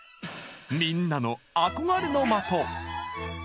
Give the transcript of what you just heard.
みんなの憧れの的！